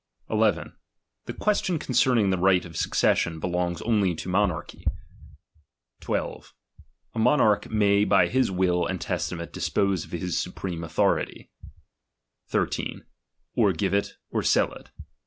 1 1 . The question concerning the right of succession belongs only to monarchy. 12. A monarch may by his will and testament dispose of his eupreroe authority : 13. Or give it, or sell it.